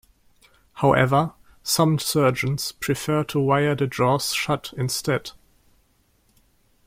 However, some surgeons prefer to wire the jaws shut instead.